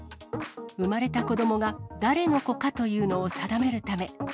産まれた子どもが誰の子かというのを定めるため。